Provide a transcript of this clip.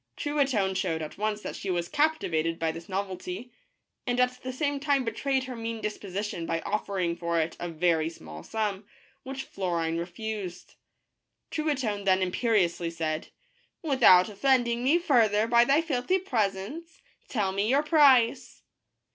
Truitonne showed at once that she was captivated by this novelty, and at the same time betrayed her mean disposition by offering for it a very small sum, which Florine refused. Truitonne then imperiously said :" Without offending me further by thy filthy presence, tell me your price."